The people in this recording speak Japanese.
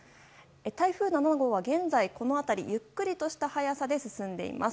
台風７号はこのあとゆっくりとした速さで進んでいきます。